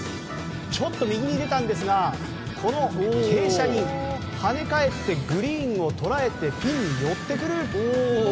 ちょっと右に出たんですが傾斜に跳ね返ってグリーンを捉えてピンに寄ってくる。